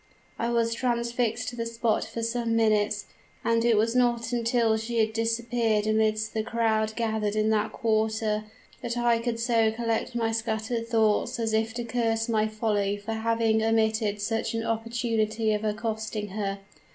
"I was transfixed to the spot for some minutes, and it was not until she had disappeared amidst the crowd gathered in that quarter, that I could so collect my scattered thoughts as to curse my folly for having omitted such an opportunity of accosting her.